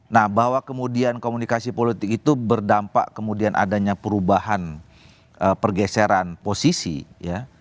nah bahwa kemudian komunikasi politik itu berdampak kemudian adanya perubahan pergeseran posisi ya